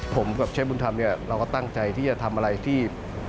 ผมกับเชฟบุญธรรมเนี่ยเราก็ตั้งใจที่จะทำอะไรที่